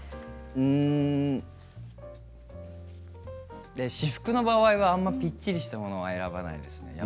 うーん私服の場合はあまりぴっちりしたものは選ばないですね。